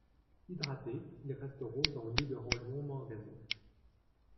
Hydraté, il reste rose en libérant l'ion manganeux.